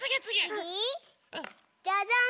つぎ？じゃじゃん！